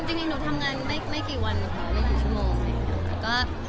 จริงหนูทำงานไม่กี่วันไม่กี่ชั่วโมง